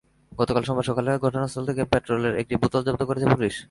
গতকাল সোমবার সকালে ঘটনাস্থল থেকে পেট্রলের একটি বোতল জব্দ করেছে পুলিশ।